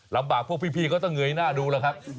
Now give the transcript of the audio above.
ลำบากพวกพี่ก็จะเหงื่อยหน้าดูแล้วครับ